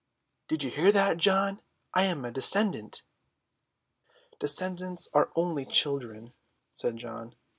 "Did you hear that, John? I am a descendant." "Descendants are only children," said John.